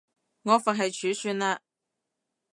我佛系儲算了